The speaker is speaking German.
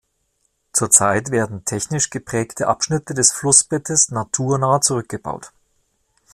Zurzeit werden technisch geprägte Abschnitte des Flussbettes naturnah zurückgebaut.